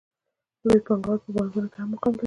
لوی پانګوال په بانکونو کې هم مقام لري